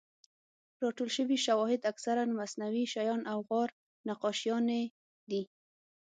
راټول شوي شواهد اکثراً مصنوعي شیان او غار نقاشیانې دي.